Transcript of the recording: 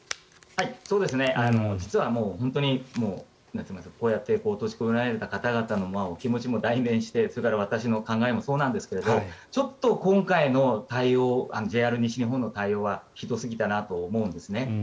実はもう本当にこうやって閉じ込められた方々の気持ちも代弁してそれから私の考えもそうなんですがちょっと今回の対応ＪＲ西日本の対応はひどすぎたなと思うんですね。